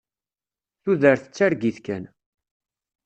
Tudert d targit kan.